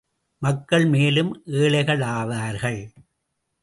மக்கள் மேலும் ஏழைகளாவார்கள்.